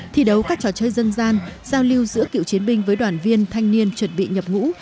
thi đấu các trò chơi dân gian giao lưu giữa cựu chiến binh với đoàn viên thanh niên chuẩn bị nhập ngũ